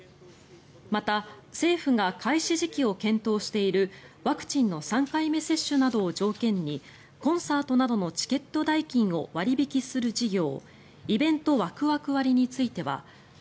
また、政府が開始時期を検討しているワクチンの３回目接種などを条件にコンサートなどのチケット代金を割引する事業「Ｉｔｏｏｋｔｈｅｂｌｏｗｓ．」「Ａｎｄｄｉｄｉｔｍｙｗａｙ！」